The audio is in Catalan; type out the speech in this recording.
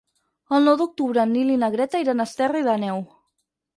El nou d'octubre en Nil i na Greta iran a Esterri d'Àneu.